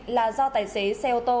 là do tài xế xe